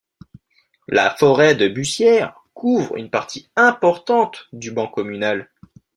La forêt de Bussières couvre une partie importante du ban communal.